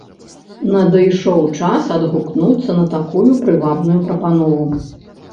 Надышоў час адгукнуцца на такую прывабную прапанову.